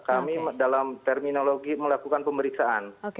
kami dalam terminologi melakukan pemeriksaan